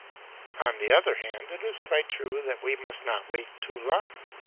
On the other hand, it is quite true that we must not wait too long.